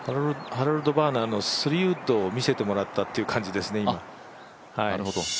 ハロルド・バーナーの３ウッドを見せてもらったっていう感じですね。